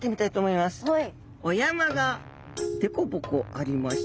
はい。